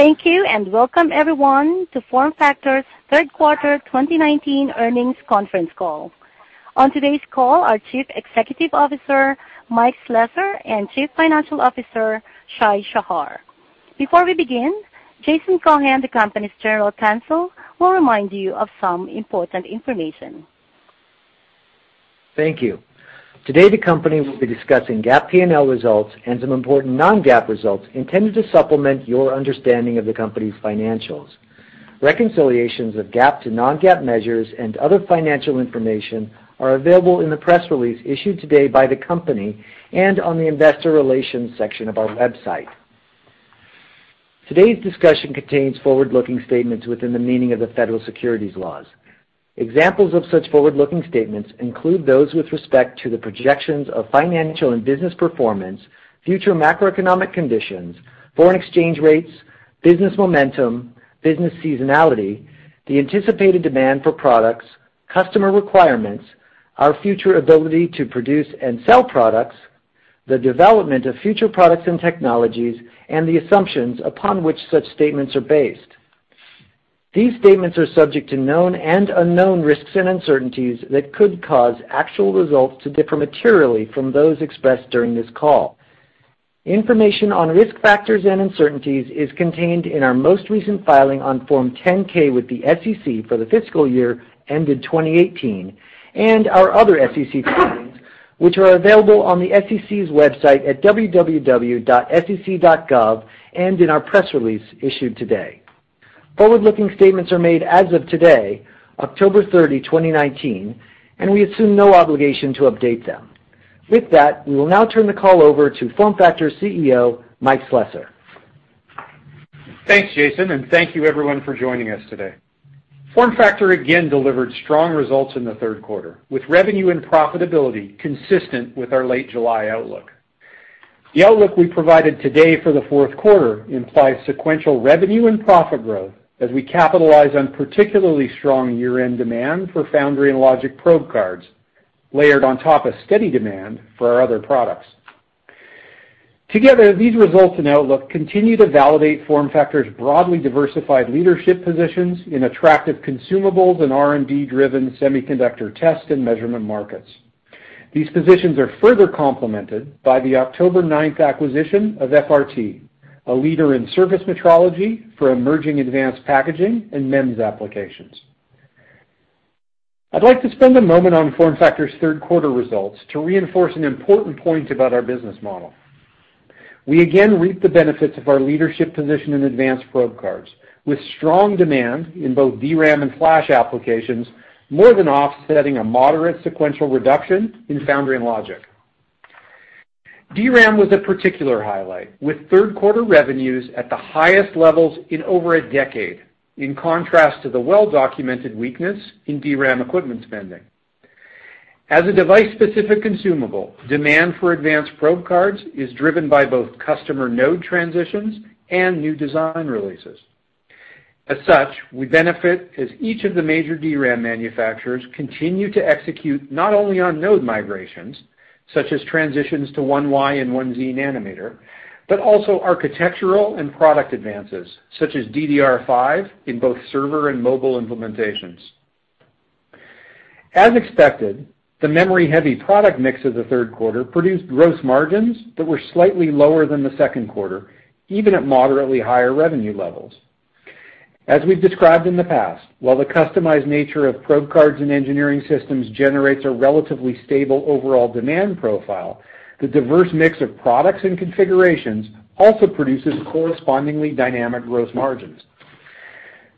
Thank you, and welcome, everyone, to FormFactor's third quarter 2019 earnings conference call. On today's call are Chief Executive Officer, Mike Slessor, and Chief Financial Officer, Shai Shahar. Before we begin, Jason Cohen, the company's General Counsel, will remind you of some important information. Thank you. Today, the company will be discussing GAAP P&L results and some important non-GAAP results intended to supplement your understanding of the company's financials. Reconciliations of GAAP to non-GAAP measures and other financial information are available in the press release issued today by the company and on the investor relations section of our website. Today's discussion contains forward-looking statements within the meaning of the federal securities laws. Examples of such forward-looking statements include those with respect to the projections of financial and business performance, future macroeconomic conditions, foreign exchange rates, business momentum, business seasonality, the anticipated demand for products, customer requirements, our future ability to produce and sell products, the development of future products and technologies, and the assumptions upon which such statements are based. These statements are subject to known and unknown risks and uncertainties that could cause actual results to differ materially from those expressed during this call. Information on risk factors and uncertainties is contained in our most recent filing on Form 10-K with the SEC for the fiscal year ended 2018, and our other SEC filings, which are available on the sec.gov website and in our press release issued today. Forward-looking statements are made as of today, October 30, 2019, and we assume no obligation to update them. With that, we will now turn the call over to FormFactor CEO, Mike Slessor. Thanks, Jason, and thank you, everyone, for joining us today. FormFactor again delivered strong results in the third quarter, with revenue and profitability consistent with our late July outlook. The outlook we provided today for the fourth quarter implies sequential revenue and profit growth as we capitalize on particularly strong year-end demand for foundry and logic probe cards, layered on top of steady demand for our other products. Together, these results and outlook continue to validate FormFactor's broadly diversified leadership positions in attractive consumables and R&D-driven semiconductor test and measurement markets. These positions are further complemented by the October ninth acquisition of FRT, a leader in surface metrology for emerging advanced packaging and MEMS applications. I'd like to spend a moment on FormFactor's third quarter results to reinforce an important point about our business model. We again reap the benefits of our leadership position in advanced probe cards, with strong demand in both DRAM and flash applications more than offsetting a moderate sequential reduction in foundry and logic. DRAM was a particular highlight, with third quarter revenues at the highest levels in over a decade, in contrast to the well-documented weakness in DRAM equipment spending. As a device-specific consumable, demand for advanced probe cards is driven by both customer node transitions and new design releases. As such, we benefit as each of the major DRAM manufacturers continue to execute not only on node migrations, such as transitions to 1Y and 1Z nanometer, but also architectural and product advances, such as DDR5 in both server and mobile implementations. As expected, the memory-heavy product mix of the third quarter produced gross margins that were slightly lower than the second quarter, even at moderately higher revenue levels. As we've described in the past, while the customized nature of probe cards and engineering systems generates a relatively stable overall demand profile, the diverse mix of products and configurations also produces correspondingly dynamic gross margins.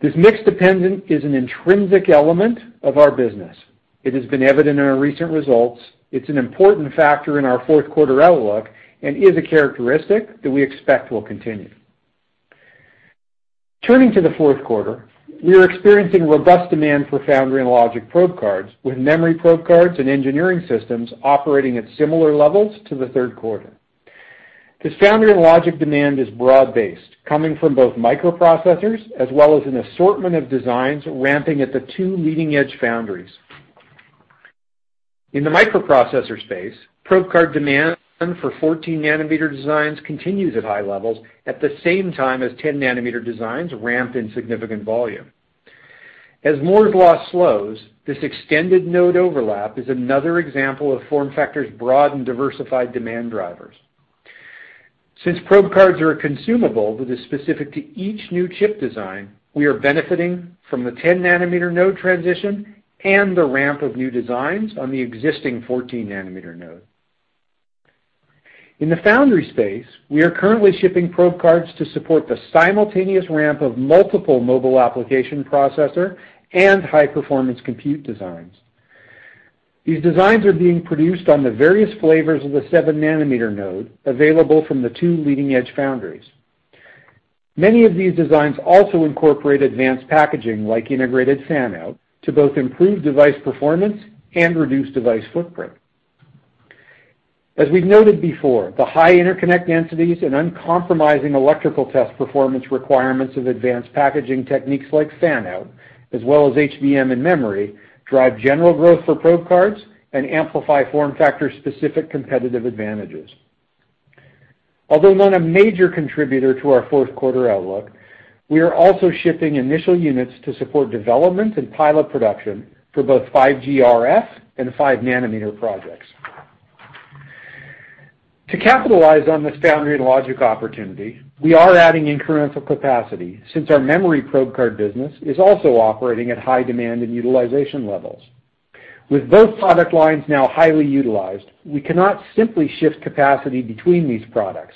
This mix dependent is an intrinsic element of our business. It has been evident in our recent results. It's an important factor in our fourth quarter outlook and is a characteristic that we expect will continue. Turning to the fourth quarter, we are experiencing robust demand for foundry and logic probe cards, with memory probe cards and engineering systems operating at similar levels to the third quarter. This foundry and logic demand is broad-based, coming from both microprocessors as well as an assortment of designs ramping at the two leading-edge foundries. In the microprocessor space, probe card demand for 14 nanometer designs continues at high levels at the same time as 10 nanometer designs ramp in significant volume. As Moore's Law slows, this extended node overlap is another example of FormFactor's broad and diversified demand drivers. Since probe cards are a consumable that is specific to each new chip design, we are benefiting from the 10 nanometer node transition and the ramp of new designs on the existing 14 nanometer node. In the foundry space, we are currently shipping probe cards to support the simultaneous ramp of multiple mobile application processor and high-performance compute designs. These designs are being produced on the various flavors of the 7 nanometer node available from the two leading-edge foundries. Many of these designs also incorporate advanced packaging like integrated fan-out to both improve device performance and reduce device footprint. As we've noted before, the high interconnect densities and uncompromising electrical test performance requirements of advanced packaging techniques like fan-out, as well as HBM and memory, drive general growth for probe cards and amplify FormFactor's specific competitive advantages. Although not a major contributor to our fourth quarter outlook, we are also shipping initial units to support development and pilot production for both 5G RF and five nanometer projects. To capitalize on this foundry and logic opportunity, we are adding incremental capacity, since our memory probe card business is also operating at high demand and utilization levels. With both product lines now highly utilized, we cannot simply shift capacity between these products,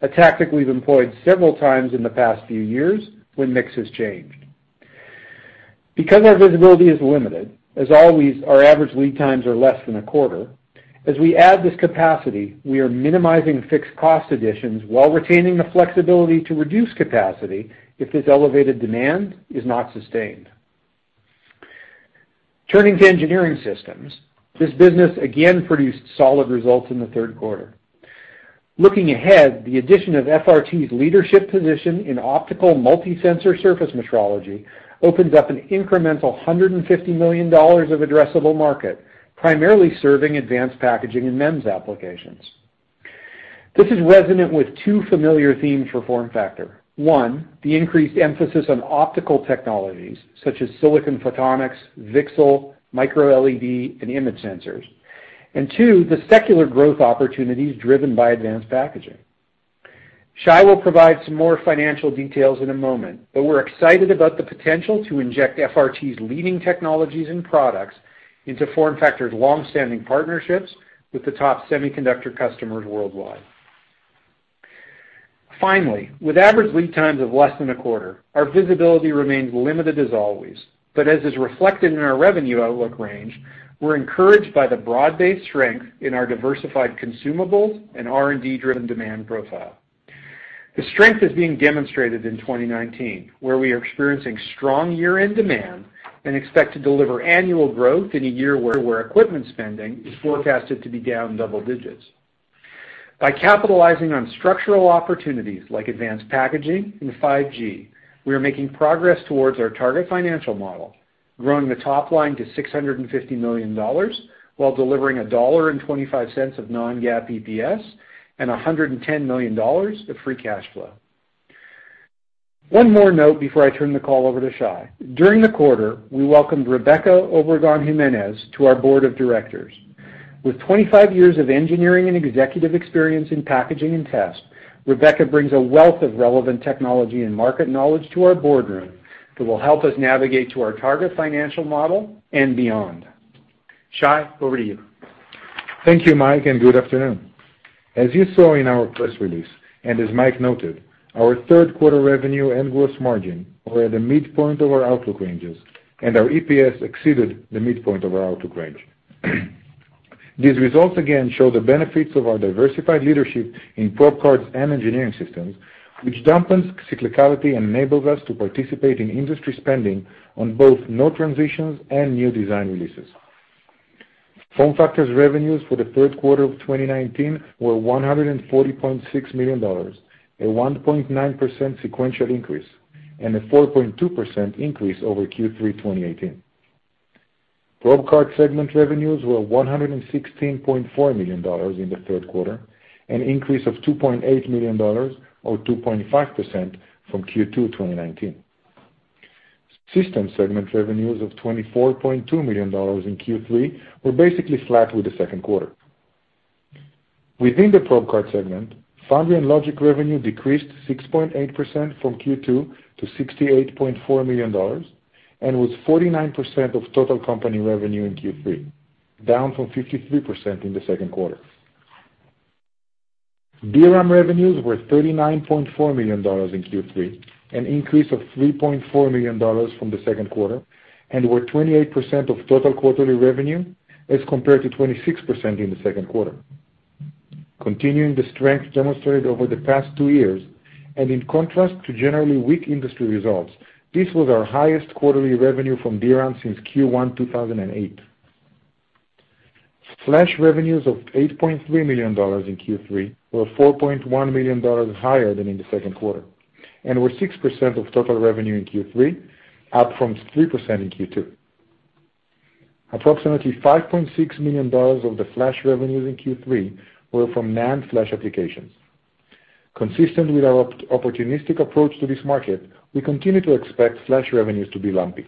a tactic we've employed several times in the past few years when mix has changed. Because our visibility is limited, as always, our average lead times are less than a quarter. As we add this capacity, we are minimizing fixed cost additions while retaining the flexibility to reduce capacity if this elevated demand is not sustained. Turning to engineering systems, this business again produced solid results in the third quarter. Looking ahead, the addition of FRT's leadership position in optical multi-sensor surface metrology opens up an incremental $150 million of addressable market, primarily serving advanced packaging and MEMS applications. This is resonant with two familiar themes for FormFactor. One, the increased emphasis on optical technologies such as silicon photonics, VCSEL, MicroLED, and image sensors. Two, the secular growth opportunities driven by advanced packaging. Shai will provide some more financial details in a moment, but we're excited about the potential to inject FRT's leading technologies and products into FormFactor's longstanding partnerships with the top semiconductor customers worldwide. Finally, with average lead times of less than a quarter, our visibility remains limited as always. As is reflected in our revenue outlook range, we're encouraged by the broad-based strength in our diversified consumables and R&D-driven demand profile. The strength is being demonstrated in 2019, where we are experiencing strong year-end demand and expect to deliver annual growth in a year where equipment spending is forecasted to be down double digits. By capitalizing on structural opportunities like advanced packaging and 5G, we are making progress towards our target financial model, growing the top line to $650 million while delivering $1.25 of non-GAAP EPS and $110 million of free cash flow. One more note before I turn the call over to Shai. During the quarter, we welcomed Rebeca Obregon-Jimenez to our board of directors. With 25 years of engineering and executive experience in packaging and test, Rebeca brings a wealth of relevant technology and market knowledge to our boardroom that will help us navigate to our target financial model and beyond. Shai, over to you. Thank you, Mike, and good afternoon. As you saw in our press release, and as Mike noted, our third quarter revenue and gross margin were at the midpoint of our outlook ranges, and our EPS exceeded the midpoint of our outlook range. These results again show the benefits of our diversified leadership in probe cards and engineering systems, which dampens cyclicality and enables us to participate in industry spending on both node transitions and new design releases. FormFactor's revenues for the third quarter of 2019 were $140.6 million, a 1.9% sequential increase and a 4.2% increase over Q3 2018. Probe card segment revenues were $116.4 million in the third quarter, an increase of $2.8 million, or 2.5%, from Q2 2019. System segment revenues of $24.2 million in Q3 were basically flat with the second quarter. Within the probe card segment, foundry and logic revenue decreased 6.8% from Q2 to $68.4 million and was 49% of total company revenue in Q3, down from 53% in the second quarter. DRAM revenues were $39.4 million in Q3, an increase of $3.4 million from the second quarter, and were 28% of total quarterly revenue as compared to 26% in the second quarter. Continuing the strength demonstrated over the past two years, and in contrast to generally weak industry results, this was our highest quarterly revenue from DRAM since Q1 2008. Flash revenues of $8.3 million in Q3 were $4.1 million higher than in the second quarter and were 6% of total revenue in Q3, up from 3% in Q2. Approximately $5.6 million of the flash revenues in Q3 were from NAND flash applications. Consistent with our opportunistic approach to this market, we continue to expect flash revenues to be lumpy.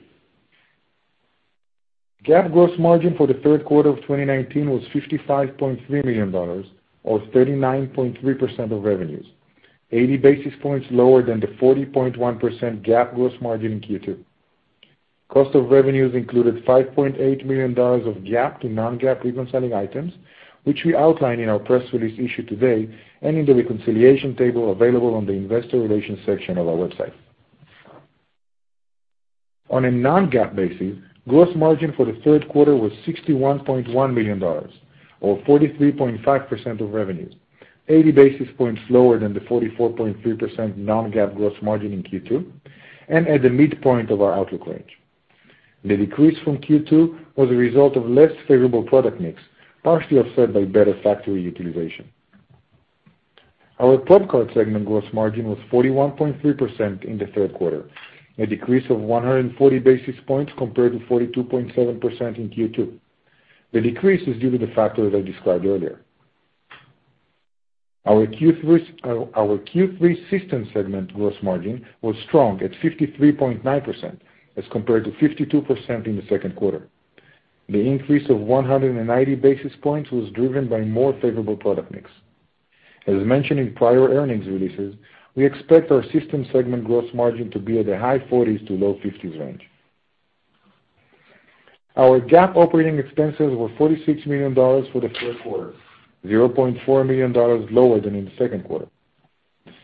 GAAP gross margin for the third quarter of 2019 was $55.3 million, or 39.3% of revenues, 80 basis points lower than the 40.1% GAAP gross margin in Q2. Cost of revenues included $5.8 million of GAAP to non-GAAP recent selling items, which we outline in our press release issued today and in the reconciliation table available on the investor relations section of our website. On a non-GAAP basis, gross margin for the third quarter was $61.1 million, or 43.5% of revenues, 80 basis points lower than the 44.3% non-GAAP gross margin in Q2, and at the midpoint of our outlook range. The decrease from Q2 was a result of less favorable product mix, partially offset by better factory utilization. Our probe card segment gross margin was 41.3% in the third quarter, a decrease of 140 basis points compared to 42.7% in Q2. The decrease is due to the factors I described earlier. Our Q3 system segment gross margin was strong at 53.9% as compared to 52% in the second quarter. The increase of 190 basis points was driven by more favorable product mix. As mentioned in prior earnings releases, we expect our system segment gross margin to be at the high 40s to low 50s range. Our GAAP operating expenses were $46 million for the third quarter, $0.4 million lower than in the second quarter.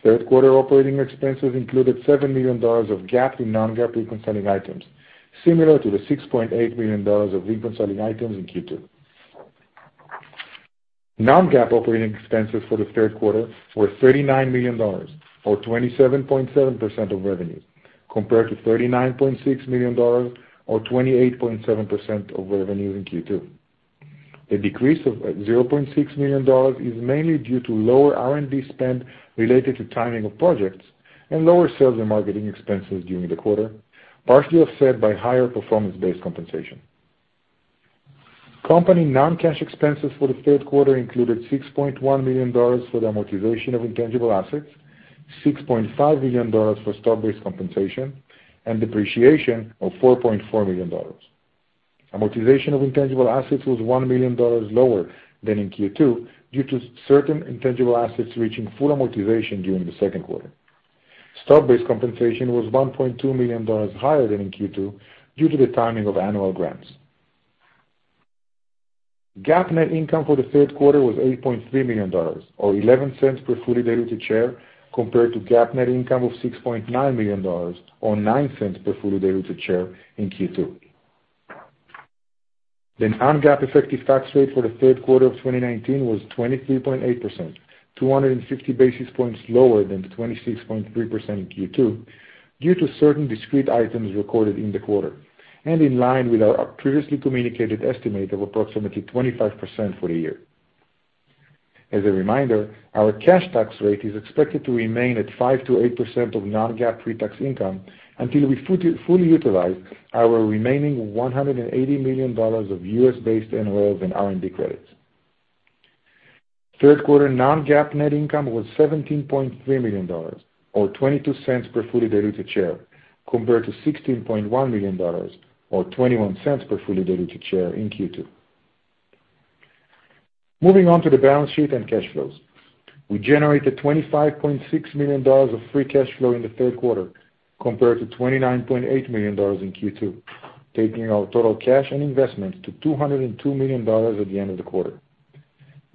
Third quarter operating expenses included $7 million of GAAP and non-GAAP reconciling items, similar to the $6.8 million of reconciling items in Q2. Non-GAAP operating expenses for the third quarter were $39 million or 27.7% of revenues, compared to $39.6 million or 28.7% of revenues in Q2. The decrease of $0.6 million is mainly due to lower R&D spend related to timing of projects and lower sales and marketing expenses during the quarter, partially offset by higher performance-based compensation. Company non-cash expenses for the third quarter included $6.1 million for the amortization of intangible assets, $6.5 million for stock-based compensation, and depreciation of $4.4 million. Amortization of intangible assets was $1 million lower than in Q2 due to certain intangible assets reaching full amortization during the second quarter. Stock-based compensation was $1.2 million higher than in Q2 due to the timing of annual grants. GAAP net income for the third quarter was $8.3 million or $0.11 per fully diluted share compared to GAAP net income of $6.9 million or $0.09 per fully diluted share in Q2. The non-GAAP effective tax rate for the third quarter of 2019 was 23.8%, 250 basis points lower than 26.3% in Q2 due to certain discrete items recorded in the quarter, and in line with our previously communicated estimate of approximately 25% for the year. As a reminder, our cash tax rate is expected to remain at 5%-8% of non-GAAP pretax income until we fully utilize our remaining $180 million of U.S.-based NOLs and R&D credits. Third quarter non-GAAP net income was $17.3 million or $0.22 per fully diluted share, compared to $16.1 million or $0.21 per fully diluted share in Q2. Moving on to the balance sheet and cash flows. We generated $25.6 million of free cash flow in the third quarter compared to $29.8 million in Q2, taking our total cash and investment to $202 million at the end of the quarter.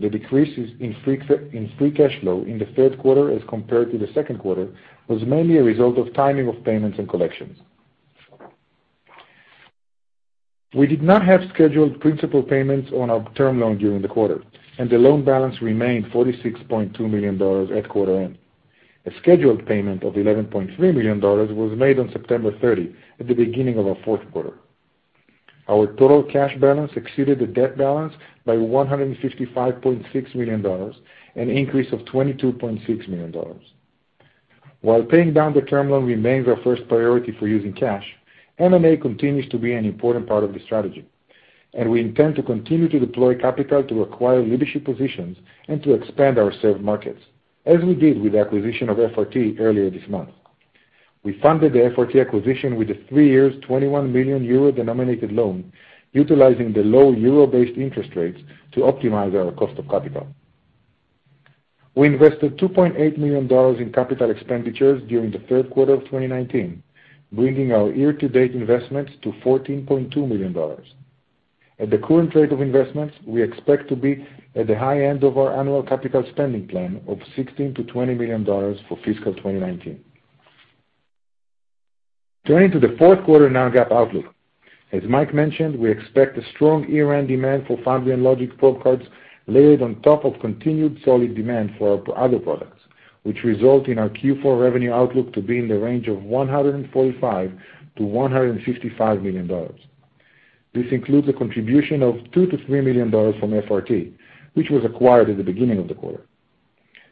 The decreases in free cash flow in the third quarter as compared to the second quarter was mainly a result of timing of payments and collections. We did not have scheduled principal payments on our term loan during the quarter, and the loan balance remained $46.2 million at quarter end. A scheduled payment of $11.3 million was made on September 30, at the beginning of our fourth quarter. Our total cash balance exceeded the debt balance by $155.6 million, an increase of $22.6 million. While paying down the term loan remains our first priority for using cash, M&A continues to be an important part of the strategy, and we intend to continue to deploy capital to acquire leadership positions and to expand our served markets, as we did with the acquisition of FRT earlier this month. We funded the FRT acquisition with a three-year, €21 million denominated loan utilizing the low euro-based interest rates to optimize our cost of capital. We invested $2.8 million in capital expenditures during the third quarter of 2019, bringing our year-to-date investments to $14.2 million. At the current rate of investments, we expect to be at the high end of our annual capital spending plan of $16 million-$20 million for fiscal 2019. Turning to the fourth quarter non-GAAP outlook. As Mike mentioned, we expect a strong year-end demand for foundry and logic probe cards layered on top of continued solid demand for our other products, which result in our Q4 revenue outlook to be in the range of $145 million-$155 million. This includes a contribution of $2 million-$3 million from FRT, which was acquired at the beginning of the quarter.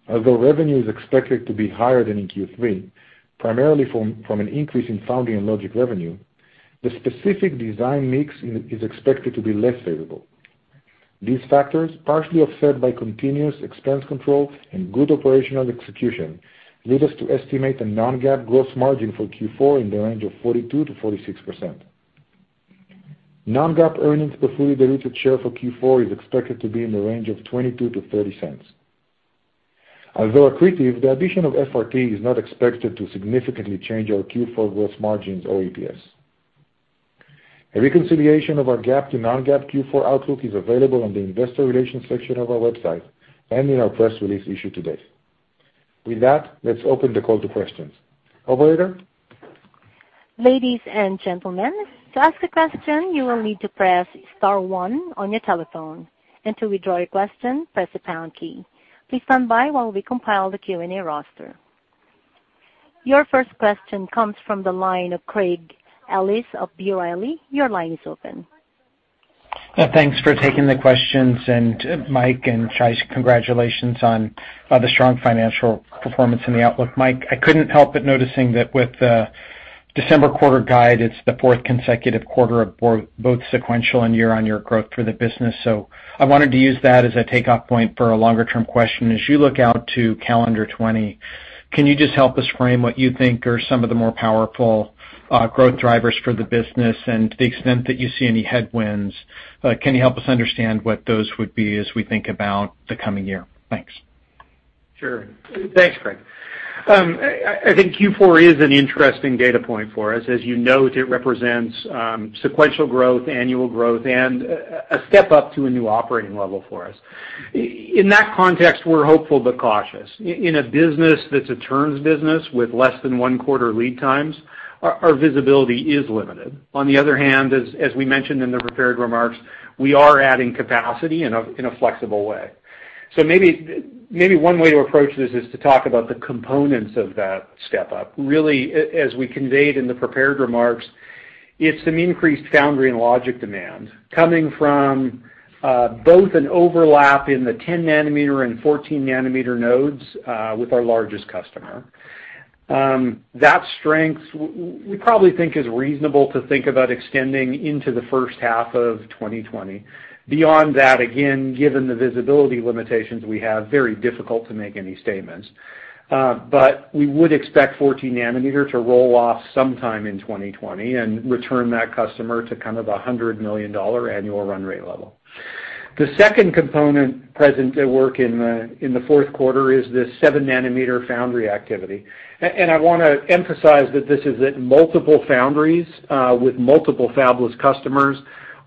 Although revenue is expected to be higher than in Q3, primarily from an increase in foundry and logic revenue, the specific design mix is expected to be less favorable. These factors, partially offset by continuous expense control and good operational execution, lead us to estimate a non-GAAP gross margin for Q4 in the range of 42%-46%. Non-GAAP earnings per fully diluted share for Q4 is expected to be in the range of $0.22-$0.30. Although accretive, the addition of FRT is not expected to significantly change our Q4 gross margins or EPS. A reconciliation of our GAAP to non-GAAP Q4 outlook is available on the investor relations section of our website and in our press release issued today. With that, let's open the call to questions. Operator? Ladies and gentlemen, to ask a question, you will need to press *1 on your telephone. To withdraw your question, press the # key. Please stand by while we compile the Q&A roster. Your first question comes from the line of Craig Ellis of B. Riley. Your line is open. Thanks for taking the questions, and Mike and Shai, congratulations on the strong financial performance and the outlook. Mike, I couldn't help but noticing that with the December quarter guide, it's the fourth consecutive quarter of both sequential and year-on-year growth for the business. I wanted to use that as a takeoff point for a longer-term question. As you look out to calendar 2020, can you just help us frame what you think are some of the more powerful growth drivers for the business and the extent that you see any headwinds? Can you help us understand what those would be as we think about the coming year? Thanks. Sure. Thanks, Craig. I think Q4 is an interesting data point for us. As you note, it represents sequential growth, annual growth, and a step up to a new operating level for us. In that context, we're hopeful but cautious. In a business that's a turns business with less than one quarter lead times, our visibility is limited. On the other hand, as we mentioned in the prepared remarks, we are adding capacity in a flexible way. Maybe one way to approach this is to talk about the components of that step up. Really, as we conveyed in the prepared remarks, it's some increased foundry and logic demand coming from both an overlap in the 10 nanometer and 14 nanometer nodes with our largest customer. That strength, we probably think is reasonable to think about extending into the first half of 2020. Beyond that, again, given the visibility limitations we have, very difficult to make any statements. We would expect 14 nanometer to roll off sometime in 2020 and return that customer to kind of $100 million annual run rate level. The second component present at work in the fourth quarter is the seven nanometer foundry activity. I want to emphasize that this is at multiple foundries with multiple fabless customers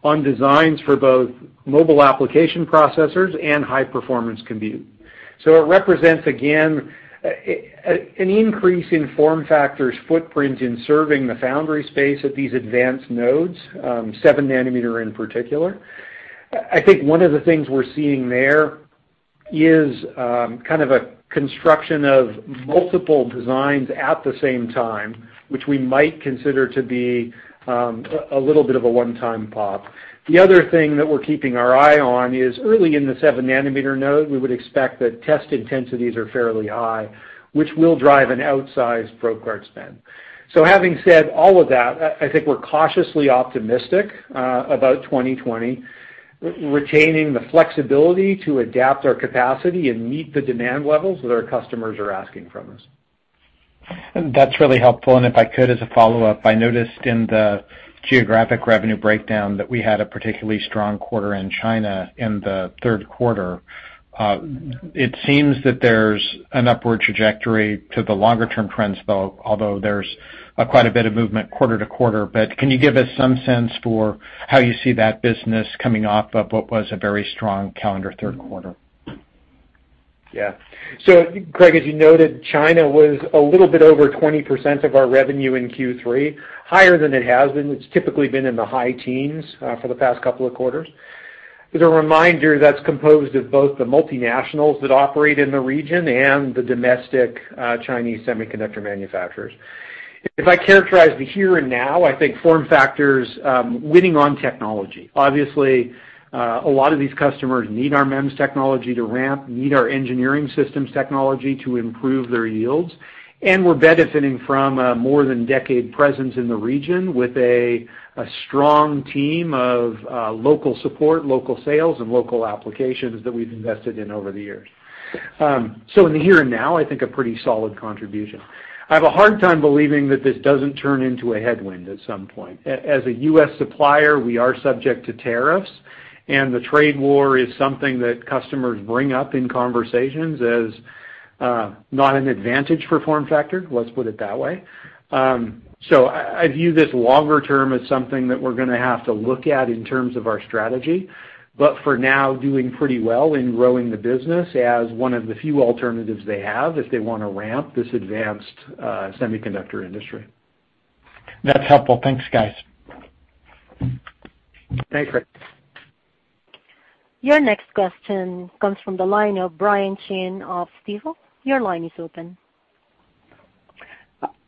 on designs for both mobile application processors and high-performance compute. It represents, again, an increase in FormFactor's footprint in serving the foundry space at these advanced nodes, seven nanometer in particular. I think one of the things we're seeing there is kind of a construction of multiple designs at the same time, which we might consider to be a little bit of a one-time pop. The other thing that we're keeping our eye on is early in the seven-nanometer node, we would expect that test intensities are fairly high, which will drive an outsized probe card spend. Having said all of that, I think we're cautiously optimistic about 2020, retaining the flexibility to adapt our capacity and meet the demand levels that our customers are asking from us. That's really helpful. If I could, as a follow-up, I noticed in the geographic revenue breakdown that we had a particularly strong quarter in China in the third quarter. It seems that there's an upward trajectory to the longer-term trends, although there's quite a bit of movement quarter to quarter. Can you give us some sense for how you see that business coming off of what was a very strong calendar third quarter? Yeah. Craig, as you noted, China was a little bit over 20% of our revenue in Q3, higher than it has been. It's typically been in the high teens for the past couple of quarters. As a reminder, that's composed of both the multinationals that operate in the region and the domestic Chinese semiconductor manufacturers. If I characterize the here and now, I think FormFactor's winning on technology. Obviously, a lot of these customers need our MEMS technology to ramp, need our engineering systems technology to improve their yields, and we're benefiting from a more than decade presence in the region with a strong team of local support, local sales, and local applications that we've invested in over the years. In the here and now, I think a pretty solid contribution. I have a hard time believing that this doesn't turn into a headwind at some point. As a U.S. supplier, we are subject to tariffs, and the trade war is something that customers bring up in conversations as not an advantage for FormFactor, let's put it that way. I view this longer term as something that we're going to have to look at in terms of our strategy, but for now, doing pretty well in growing the business as one of the few alternatives they have if they want to ramp this advanced semiconductor industry. That's helpful. Thanks, guys. Thanks, Craig. Your next question comes from the line of Brian Chin of Stifel. Your line is open.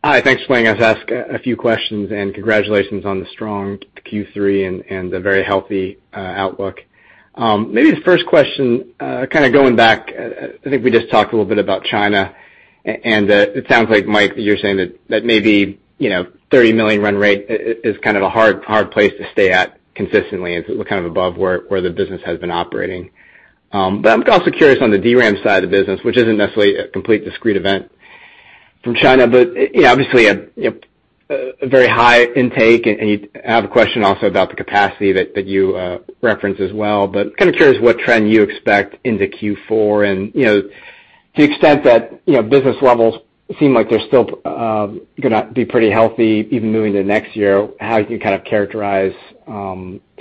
Hi, thanks for letting us ask a few questions, and congratulations on the strong Q3 and the very healthy outlook. Maybe the first question, kind of going back, I think we just talked a little bit about China, and it sounds like, Mike, you're saying that maybe a $30 million run rate is kind of a hard place to stay at consistently, and kind of above where the business has been operating. I'm also curious on the DRAM side of the business, which isn't necessarily a complete discrete event from China, but obviously a very high intake, and I have a question also about the capacity that you referenced as well. Kind of curious what trend you expect into Q4 and to the extent that business levels seem like they're still going to be pretty healthy even moving to next year, how do you kind of characterize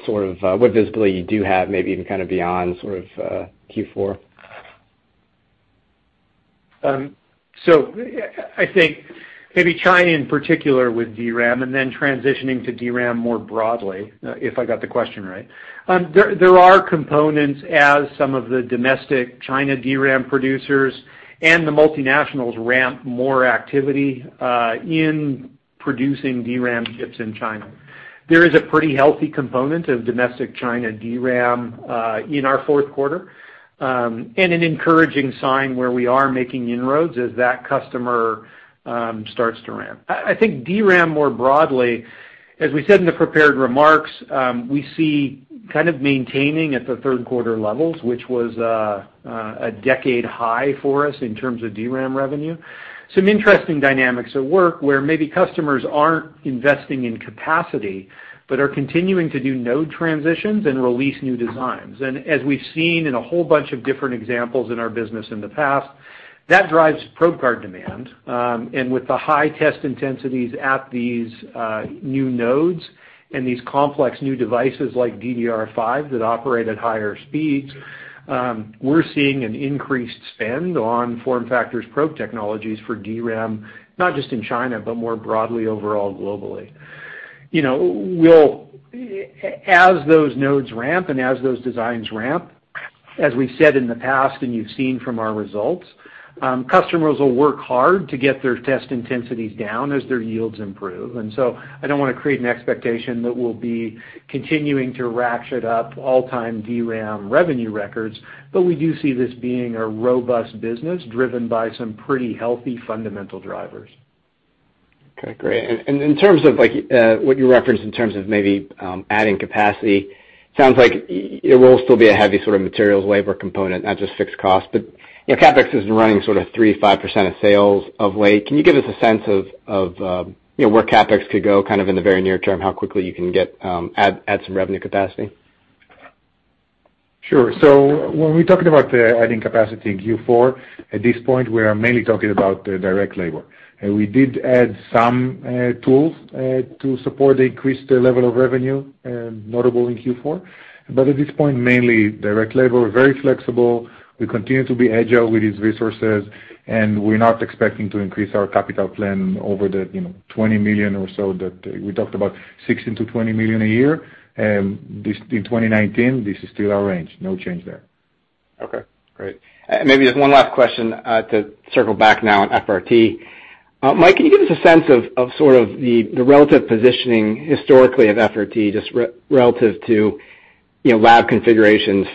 sort of what visibility you do have, maybe even kind of beyond sort of Q4? I think maybe China in particular with DRAM, and then transitioning to DRAM more broadly, if I got the question right. There are components as some of the domestic China DRAM producers and the multinationals ramp more activity in producing DRAM chips in China. There is a pretty healthy component of domestic China DRAM in our fourth quarter, and an encouraging sign where we are making inroads as that customer starts to ramp. I think DRAM more broadly, as we said in the prepared remarks, we see kind of maintaining at the third quarter levels, which was a decade high for us in terms of DRAM revenue. Some interesting dynamics at work where maybe customers aren't investing in capacity, but are continuing to do node transitions and release new designs. As we've seen in a whole bunch of different examples in our business in the past, that drives probe card demand. With the high test intensities at these new nodes and these complex new devices like DDR5 that operate at higher speeds, we're seeing an increased spend on FormFactor's probe technologies for DRAM, not just in China, but more broadly overall globally. As those nodes ramp and as those designs ramp, as we said in the past and you've seen from our results, customers will work hard to get their test intensities down as their yields improve. I don't want to create an expectation that we'll be continuing to ratchet up all-time DRAM revenue records, but we do see this being a robust business driven by some pretty healthy fundamental drivers. Okay, great. In terms of what you referenced in terms of maybe adding capacity, sounds like it will still be a heavy sort of materials labor component, not just fixed cost. CapEx has been running sort of 3%-5% of sales of late. Can you give us a sense of where CapEx could go kind of in the very near term, how quickly you can add some revenue capacity? Sure. When we're talking about the adding capacity in Q4, at this point, we are mainly talking about the direct labor. We did add some tools to support the increased level of revenue, notable in Q4. At this point, mainly direct labor, very flexible. We continue to be agile with these resources, and we're not expecting to increase our capital plan over the $20 million or so that we talked about, $16 million-$20 million a year. In 2019, this is still our range. No change there. Okay, great. Maybe just one last question to circle back now on FRT. Mike, can you give us a sense of sort of the relative positioning historically of FRT, just relative to lab configurations,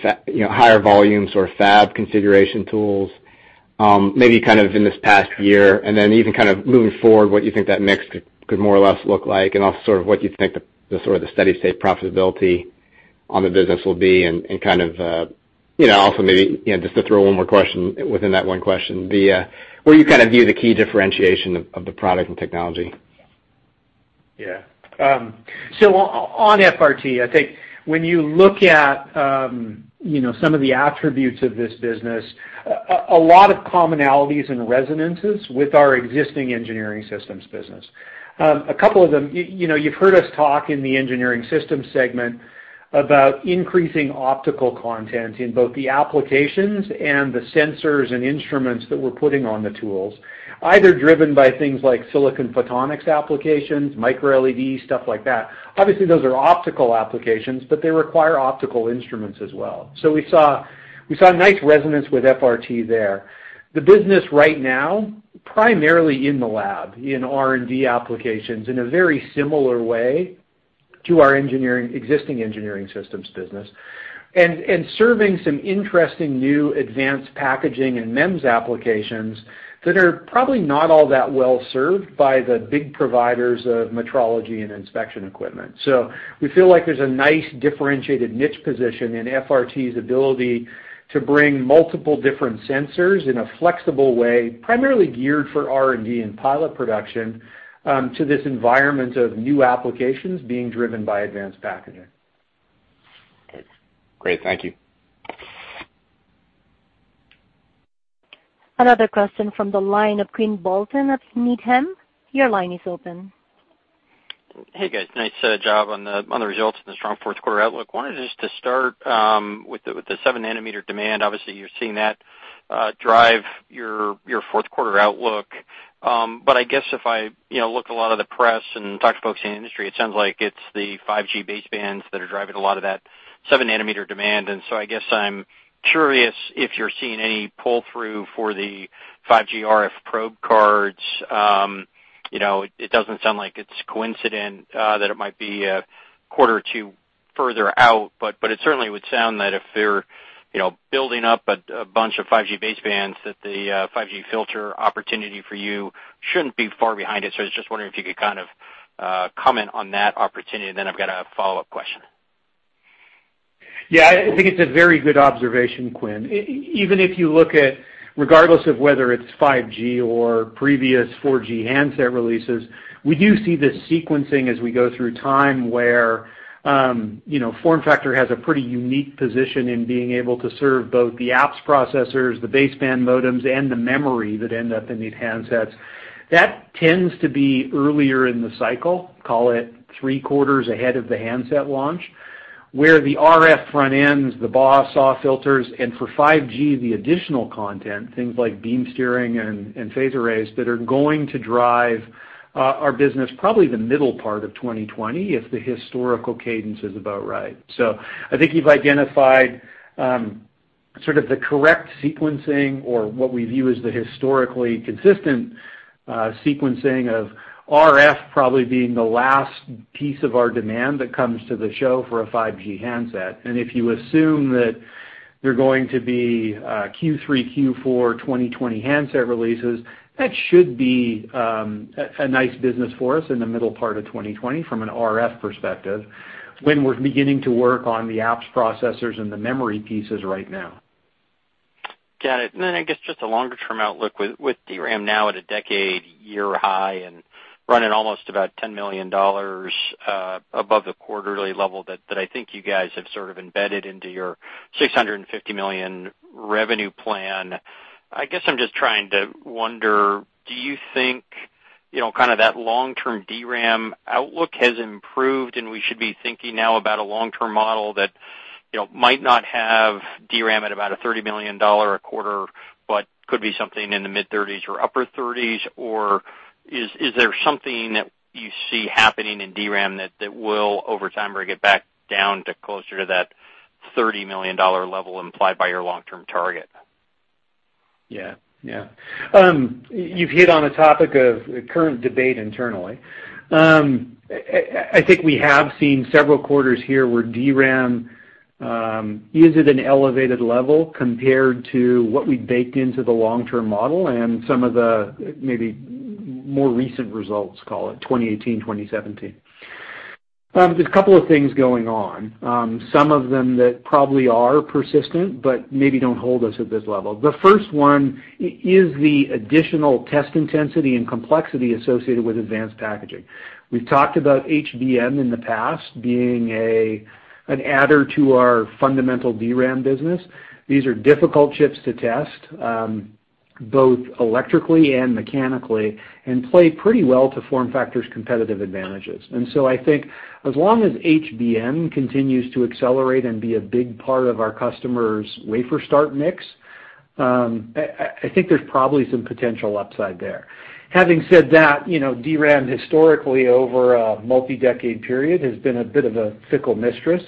higher volumes or fab configuration tools, maybe kind of in this past year, and then even kind of moving forward, what you think that mix could more or less look like, and also sort of what you think the sort of the steady state profitability on the business will be, and kind of also maybe just to throw one more question within that one question, where you kind of view the key differentiation of the product and technology? Yeah. On FRT, I think when you look at some of the attributes of this business, a lot of commonalities and resonances with our existing Engineering Systems business. A couple of them, you've heard us talk in the Engineering Systems segment about increasing optical content in both the applications and the sensors and instruments that we're putting on the tools, either driven by things like silicon photonics applications, MicroLED, stuff like that. Obviously, those are optical applications, they require optical instruments as well. We saw a nice resonance with FRT there. The business right now, primarily in the lab, in R&D applications, in a very similar way to our existing Engineering Systems business, and serving some interesting new advanced packaging and MEMS applications that are probably not all that well-served by the big providers of metrology and inspection equipment. We feel like there's a nice differentiated niche position in FRT's ability to bring multiple different sensors in a flexible way, primarily geared for R&D and pilot production, to this environment of new applications being driven by advanced packaging. Good. Great. Thank you. Another question from the line of Quinn Bolton at Needham. Your line is open. Hey, guys. Nice job on the results and the strong fourth quarter outlook. I wanted just to start with the 7-nanometer demand. Obviously, you're seeing that drive your fourth quarter outlook. I guess if I look at a lot of the press and talk to folks in the industry, it sounds like it's the 5G basebands that are driving a lot of that 7-nanometer demand. I guess I'm curious if you're seeing any pull-through for the 5G RF probe cards. It doesn't sound like it's coincident, that it might be a quarter or 2 further out, but it certainly would sound that if they're building up a bunch of 5G basebands, that the 5G filter opportunity for you shouldn't be far behind it. I was just wondering if you could kind of comment on that opportunity. I've got a follow-up question. Yeah, I think it's a very good observation, Quinn. Even if you look at, regardless of whether it's 5G or previous 4G handset releases, we do see this sequencing as we go through time where FormFactor has a pretty unique position in being able to serve both the apps processors, the baseband modems, and the memory that end up in these handsets. That tends to be earlier in the cycle, call it three quarters ahead of the handset launch, where the RF front ends, the BAW, SAW filters, and for 5G, the additional content, things like beam steering and phased arrays that are going to drive our business probably the middle part of 2020, if the historical cadence is about right. I think you've identified sort of the correct sequencing, or what we view as the historically consistent sequencing of RF, probably being the last piece of our demand that comes to the show for a 5G handset. If you assume that they're going to be Q3, Q4 2020 handset releases, that should be a nice business for us in the middle part of 2020 from an RF perspective, when we're beginning to work on the apps, processors, and the memory pieces right now. Got it. I guess, just a longer-term outlook with DRAM now at a decade-year high and running almost about $10 million above the quarterly level that I think you guys have sort of embedded into your $650 million revenue plan. I guess I'm just trying to wonder, do you think kind of that long-term DRAM outlook has improved, and we should be thinking now about a long-term model that might not have DRAM at about a $30 million a quarter, but could be something in the mid-30s or upper 30s? Is there something that you see happening in DRAM that will, over time, bring it back down to closer to that $30 million level implied by your long-term target? Yeah. You've hit on a topic of current debate internally. I think we have seen several quarters here where DRAM is at an elevated level compared to what we baked into the long-term model and some of the maybe more recent results, call it 2018, 2017. There's a couple of things going on, some of them that probably are persistent, but maybe don't hold us at this level. The first one is the additional test intensity and complexity associated with advanced packaging. We've talked about HBM in the past being an adder to our fundamental DRAM business. These are difficult chips to test, both electrically and mechanically, and play pretty well to FormFactor's competitive advantages. I think as long as HBM continues to accelerate and be a big part of our customers' wafer start mix, I think there's probably some potential upside there. DRAM historically over a multi-decade period, has been a bit of a fickle mistress.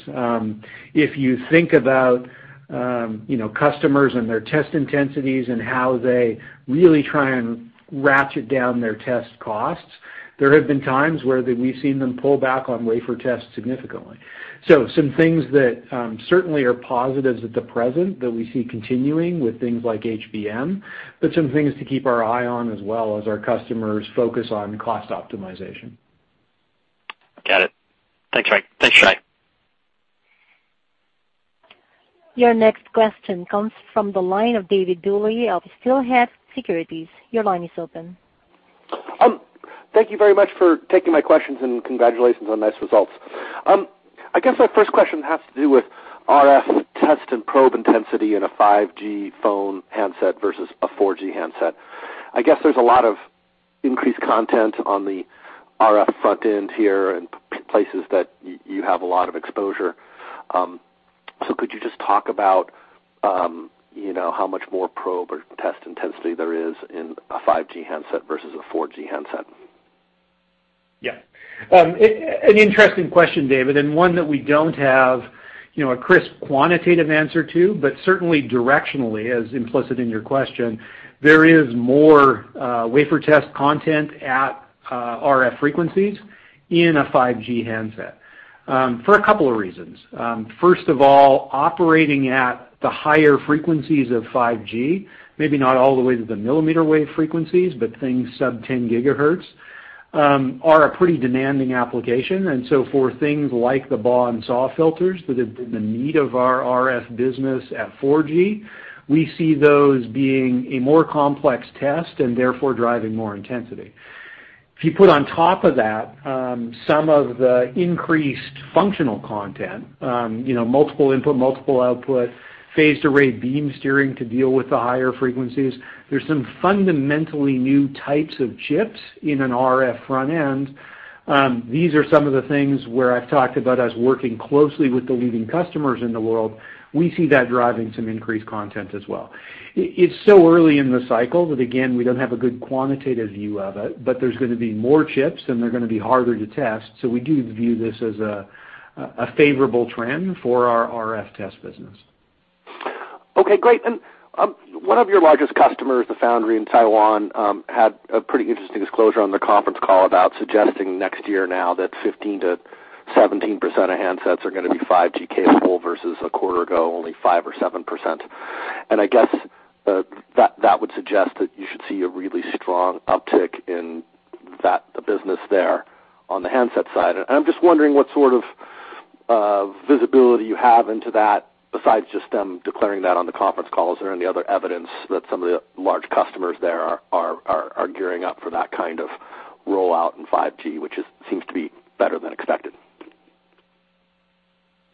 If you think about customers and their test intensities and how they really try and ratchet down their test costs, there have been times where we've seen them pull back on wafer tests significantly. Some things that certainly are positives at the present that we see continuing with things like HBM, but some things to keep our eye on as well as our customers focus on cost optimization. Got it. Thanks, Shai. Your next question comes from the line of David Duley of Steelhead Securities. Your line is open. Thank you very much for taking my questions. Congratulations on nice results. I guess my first question has to do with RF test and probe intensity in a 5G phone handset versus a 4G handset. I guess there's a lot of increased content on the RF front end here and places that you have a lot of exposure. Could you just talk about how much more probe or test intensity there is in a 5G handset versus a 4G handset? Yeah. An interesting question, David, and one that we don't have a crisp quantitative answer to, but certainly directionally, as implicit in your question, there is more wafer test content at RF frequencies in a 5G handset for a couple of reasons. First of all, operating at the higher frequencies of 5G, maybe not all the way to the millimeter wave frequencies, but things sub-10 gigahertz, are a pretty demanding application. For things like the BAW and SAW filters that have been the meat of our RF business at 4G, we see those being a more complex test and therefore driving more intensity. If you put on top of that some of the increased functional content, multiple input, multiple output, phased array beam steering to deal with the higher frequencies, there's some fundamentally new types of chips in an RF front end. These are some of the things where I've talked about us working closely with the leading customers in the world. We see that driving some increased content as well. It's so early in the cycle that, again, we don't have a good quantitative view of it, but there's going to be more chips, and they're going to be harder to test. We do view this as a favorable trend for our RF test business. Okay, great. One of your largest customers, the foundry in Taiwan, had a pretty interesting disclosure on the conference call about suggesting next year now that 15%-17% of handsets are going to be 5G capable versus a quarter ago, only 5% or 7%. I guess that would suggest that you should see a really strong uptick in the business there on the handset side. I'm just wondering what sort of visibility you have into that besides just them declaring that on the conference call. Is there any other evidence that some of the large customers there are gearing up for that kind of rollout in 5G, which seems to be better than expected?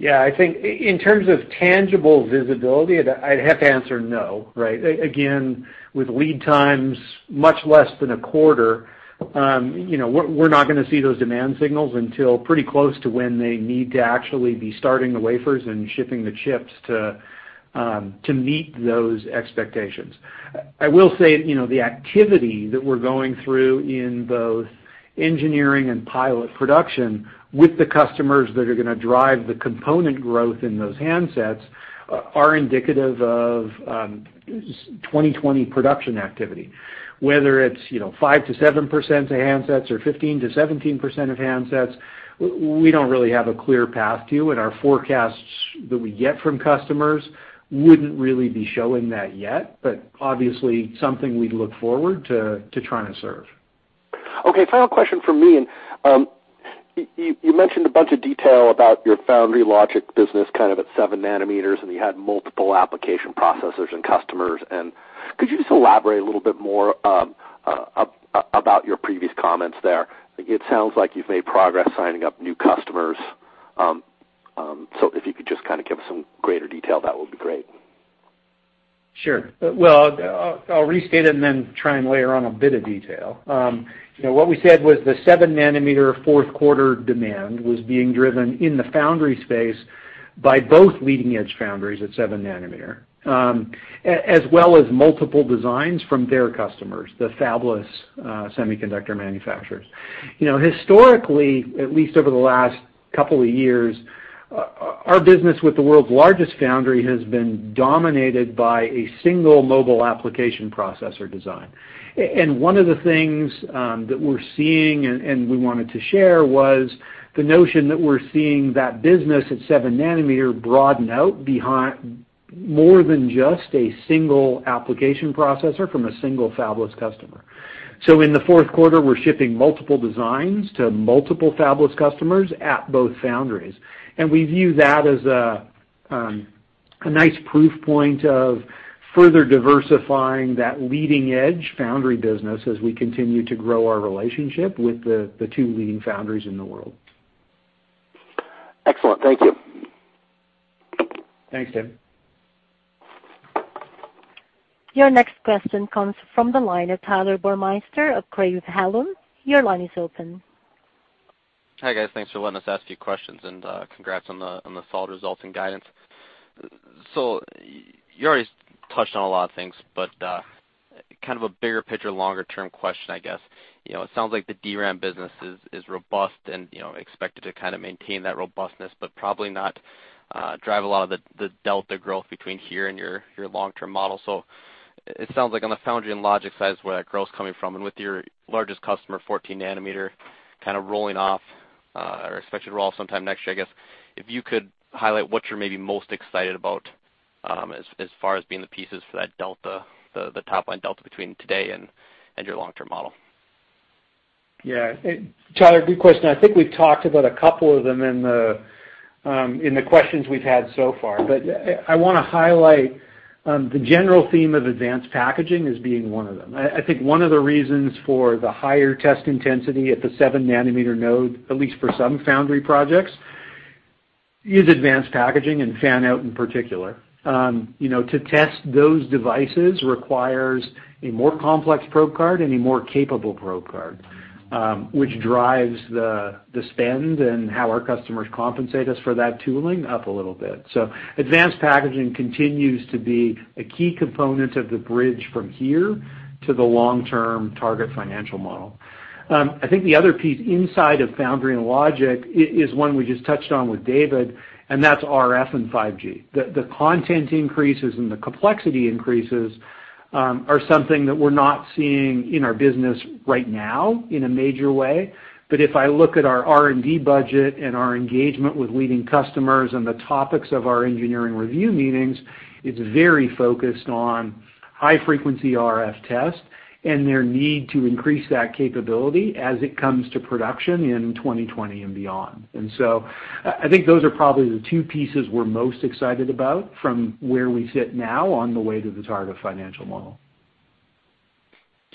Yeah, I think in terms of tangible visibility, I'd have to answer no, right? Again, with lead times much less than a quarter, we're not going to see those demand signals until pretty close to when they need to actually be starting the wafers and shipping the chips to meet those expectations. I will say, the activity that we're going through in both engineering and pilot production with the customers that are going to drive the component growth in those handsets are indicative of 2020 production activity. Whether it's 5%-7% of handsets or 15%-17% of handsets, we don't really have a clear path to, and our forecasts that we get from customers wouldn't really be showing that yet, but obviously, something we look forward to trying to serve. Okay, final question from me. You mentioned a bunch of detail about your foundry logic business kind of at seven nanometers, and you had multiple application processors and customers. Could you just elaborate a little bit more about your previous comments there? It sounds like you've made progress signing up new customers. If you could just kind of give us some greater detail, that would be great. Sure. Well, I'll restate it and then try and layer on a bit of detail. What we said was the 7-nanometer fourth quarter demand was being driven in the foundry space by both leading-edge foundries at 7 nanometer, as well as multiple designs from their customers, the fabless semiconductor manufacturers. Historically, at least over the last couple of years, our business with the world's largest foundry has been dominated by a single mobile application processor design. One of the things that we're seeing, and we wanted to share, was the notion that we're seeing that business at 7 nanometer broaden out behind more than just a single application processor from a single fabless customer. In the fourth quarter, we're shipping multiple designs to multiple fabless customers at both foundries, and we view that as a nice proof point of further diversifying that leading-edge foundry business as we continue to grow our relationship with the two leading foundries in the world. Excellent. Thank you. Thanks, David. Your next question comes from the line of Tyler Burmeister of Craig-Hallum. Your line is open. Hi, guys. Thanks for letting us ask you questions, and congrats on the solid results and guidance. You already touched on a lot of things, but kind of a bigger picture, longer-term question, I guess. It sounds like the DRAM business is robust and expected to kind of maintain that robustness, but probably not drive a lot of the delta growth between here and your long-term model. It sounds like on the foundry and logic side is where that growth's coming from. With your largest customer, 14 nanometer, kind of rolling off or expected to roll off sometime next year, I guess, if you could highlight what you're maybe most excited about as far as being the pieces for that delta, the top-line delta between today and your long-term model? Yeah. Tyler, good question. I think we've talked about a couple of them in the questions we've had so far. I want to highlight the general theme of advanced packaging as being one of them. I think one of the reasons for the higher test intensity at the seven-nanometer node, at least for some foundry projects, is advanced packaging and fan-out in particular. To test those devices requires a more complex probe card and a more capable probe card, which drives the spend and how our customers compensate us for that tooling up a little bit. Advanced packaging continues to be a key component of the bridge from here to the long-term target financial model. I think the other piece inside of foundry and logic is one we just touched on with David, and that's RF and 5G. The content increases and the complexity increases are something that we're not seeing in our business right now in a major way. If I look at our R&D budget and our engagement with leading customers and the topics of our engineering review meetings, it's very focused on high-frequency RF tests and their need to increase that capability as it comes to production in 2020 and beyond. I think those are probably the two pieces we're most excited about from where we sit now on the way to the target financial model.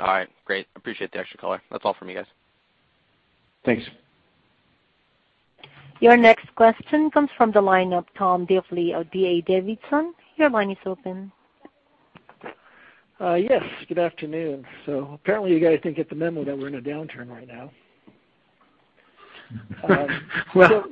All right, great. Appreciate the extra color. That's all from me, guys. Thanks. Your next question comes from the line of Tom Diffely of D.A. Davidson. Your line is open. Yes, good afternoon. Apparently, you guys didn't get the memo that we're in a downturn right now. Well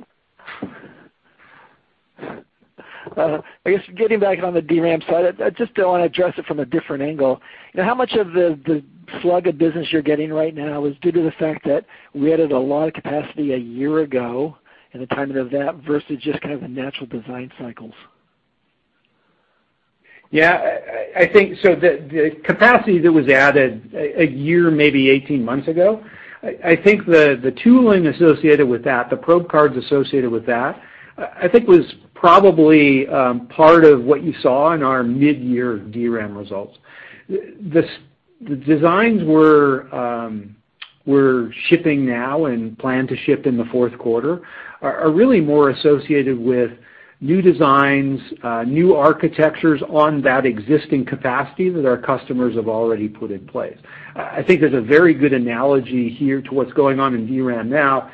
I guess getting back on the DRAM side, I just want to address it from a different angle. How much of the sluggish business you're getting right now is due to the fact that we added a lot of capacity a year ago at the time of that, versus just kind of the natural design cycles? Yeah. The capacity that was added a year, maybe 18 months ago, I think the tooling associated with that, the probe cards associated with that, I think was probably part of what you saw in our mid-year DRAM results. The designs we're shipping now and plan to ship in the fourth quarter are really more associated with new designs, new architectures on that existing capacity that our customers have already put in place. I think there's a very good analogy here to what's going on in DRAM now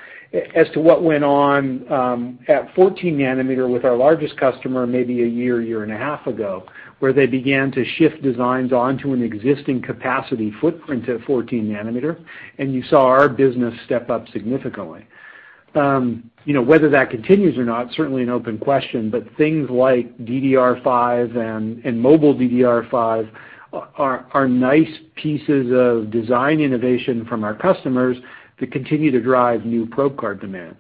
as to what went on at 14 nanometer with our largest customer, maybe a year and a half ago, where they began to shift designs onto an existing capacity footprint at 14 nanometer, and you saw our business step up significantly. Whether that continues or not, certainly an open question, but things like DDR5 and mobile DDR5 are nice pieces of design innovation from our customers that continue to drive new probe card demand.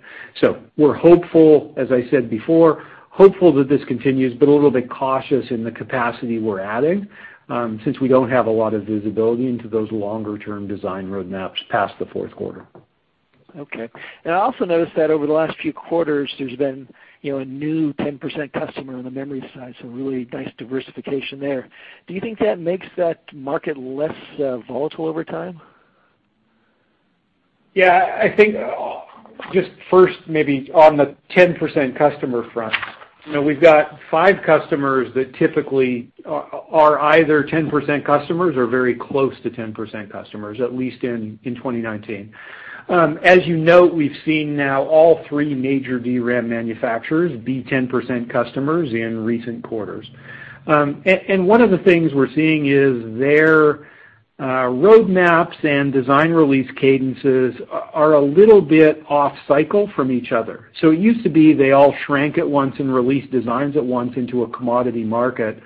We're hopeful, as I said before, hopeful that this continues, but a little bit cautious in the capacity we're adding, since we don't have a lot of visibility into those longer-term design roadmaps past the fourth quarter. Okay. I also noticed that over the last few quarters, there's been a new 10% customer on the memory side, so really nice diversification there. Do you think that makes that market less volatile over time? Yeah, I think just first maybe on the 10% customer front. We've got five customers that typically are either 10% customers or very close to 10% customers, at least in 2019. As you note, we've seen now all three major DRAM manufacturers be 10% customers in recent quarters. One of the things we're seeing is their roadmaps and design release cadences are a little bit off cycle from each other. It used to be they all shrank at once and released designs at once into a commodity market.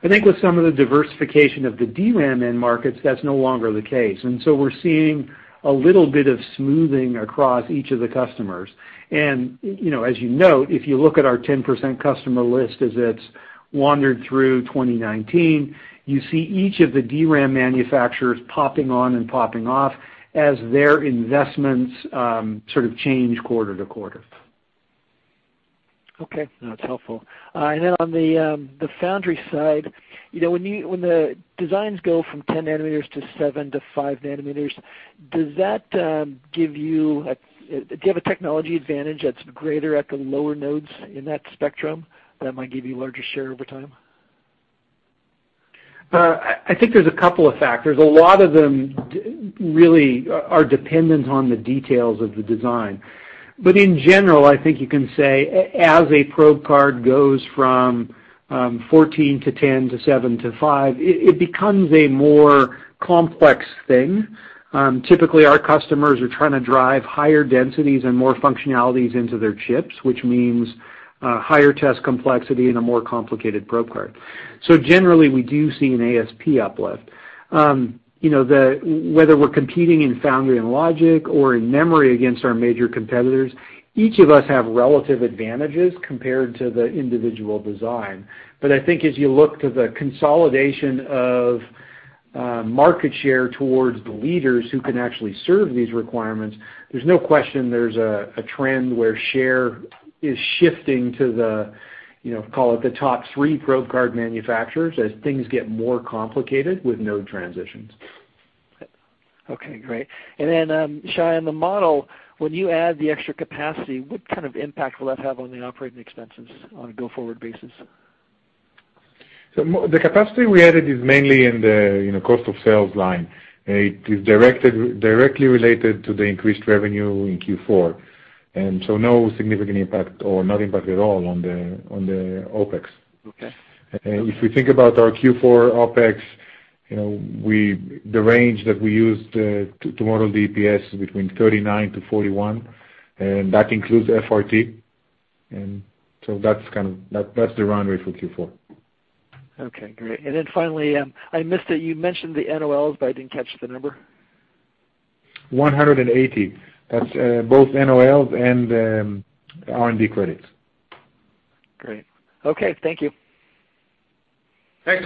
I think with some of the diversification of the DRAM end markets, that's no longer the case. We're seeing a little bit of smoothing across each of the customers. As you note, if you look at our 10% customer list as it's wandered through 2019, you see each of the DRAM manufacturers popping on and popping off as their investments sort of change quarter-to-quarter. Okay. That's helpful. Then on the foundry side, when the designs go from 10 nanometers to seven to five nanometers, do you have a technology advantage that's greater at the lower nodes in that spectrum that might give you larger share over time? I think there's a couple of factors. A lot of them really are dependent on the details of the design. In general, I think you can say, as a probe card goes from 14 to 10 to 7 to 5, it becomes a more complex thing. Typically, our customers are trying to drive higher densities and more functionalities into their chips, which means higher test complexity and a more complicated probe card. Generally, we do see an ASP uplift. Whether we're competing in foundry and logic or in memory against our major competitors, each of us have relative advantages compared to the individual design. I think as you look to the consolidation of market share towards the leaders who can actually serve these requirements, there's no question there's a trend where share is shifting to the, call it the top 3 probe card manufacturers, as things get more complicated with node transitions. Okay, great. Then, Shai, on the model, when you add the extra capacity, what kind of impact will that have on the operating expenses on a go-forward basis? The capacity we added is mainly in the cost of sales line. It is directly related to the increased revenue in Q4. No significant impact or no impact at all on the OpEx. Okay. If we think about our Q4 OpEx, the range that we used to model the EPS between $0.39-$0.41, that includes FRT. That's the runway for Q4. Okay, great. Finally, I missed it. You mentioned the NOLs, I didn't catch the number. That's both NOLs and R&D credits. Great. Okay, thank you. Thanks.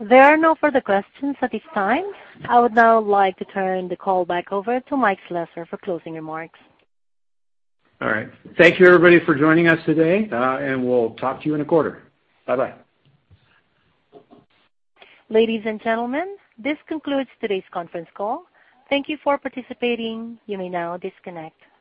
There are no further questions at this time. I would now like to turn the call back over to Mike Slessor for closing remarks. All right. Thank you, everybody, for joining us today, and we'll talk to you in a quarter. Bye-bye. Ladies and gentlemen, this concludes today's conference call. Thank you for participating. You may now disconnect.